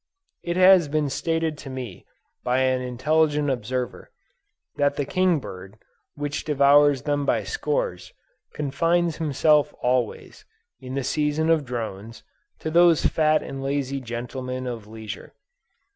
It has been stated to me, by an intelligent observer, that the King bird, which devours them by scores, confines himself always, in the season of drones, to those fat and lazy gentlemen of leisure.